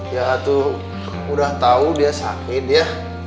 ya itu udah tahu dia sakit ya